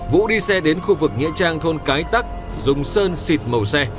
vũ đi xe đến khu vực nghĩa trang thôn cái tắc dùng sơn xịt màu xe